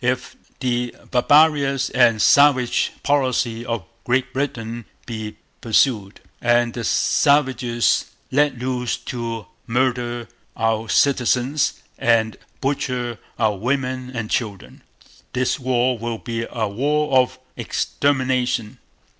If the barbarous and Savage policy of Great Britain be pursued, and the savages let loose to murder our Citizens and butcher our women and children, this war will be a war of extermination.